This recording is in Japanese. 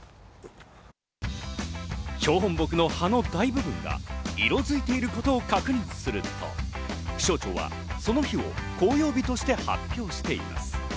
標本木の葉の大部分が色づいていることを確認すると気象庁はその日を紅葉日として発表しています。